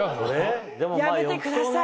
やめてください。